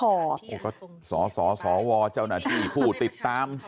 โอ้โหก็สสวเจ้าหน้าที่ผู้ติดตาม